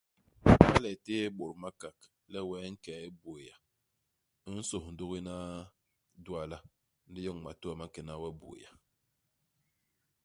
Iba le u téé i Bôt-Makak, le wee u nke i Buea, u nsôs ndugi hana i Duala, ndi u yoñ matôa ma nkena we i Buea.